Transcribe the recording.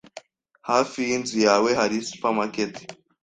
Hafi yinzu yawe hari supermarket?